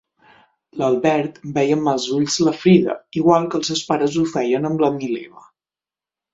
L'Albert veia amb mals ulls la Frieda igual que els seus pares ho feien amb la Mileva.